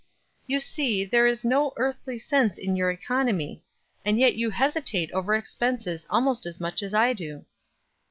You see there is no earthly sense in your economy, and yet you hesitate over expenses almost as much as I do."